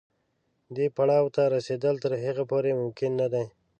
دې پړاو ته رسېدل تر هغې پورې ممکن نه دي.